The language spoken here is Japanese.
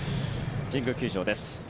神宮球場です。